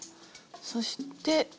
そして。